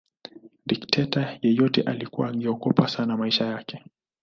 Dikteta yeyote alikuwa akiogopa sana maisha yake